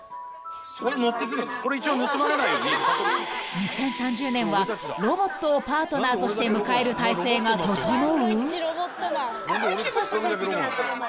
［２０３０年はロボットをパートナーとして迎える体制が整う？］